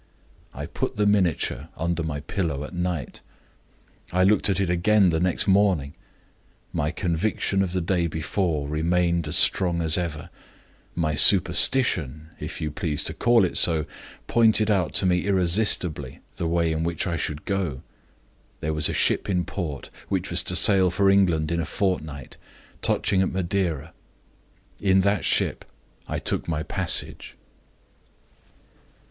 I put the miniature under my pillow at night; I looked at it again the next morning. My conviction of the day before remained as strong as ever; my superstition (if you please to call it so) pointed out to me irresistibly the way on which I should go. There was a ship in port which was to sail for England in a fortnight, touching at Madeira. In that ship I took my passage."